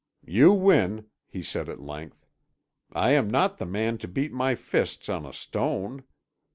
"You win," he said at length. "I am not the man to beat my fists on a stone.